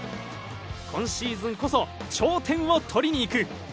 今シーズンこそ頂点を取りに行く！